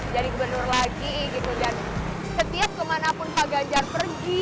jadi gubernur lagi gitu dan setiap kemana pun pak ganjar pergi